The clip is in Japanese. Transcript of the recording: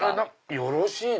よろしいの？